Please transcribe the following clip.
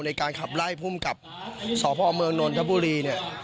ในการขับไล่ภูมิกับสพเมืองนนทบุรีเนี่ย